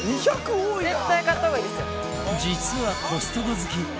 実はコストコ好き